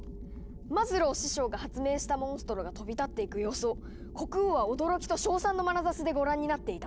マズロー師匠が発明したモンストロが飛び立っていく様子を国王は驚きと称賛のまなざしでご覧になっていた。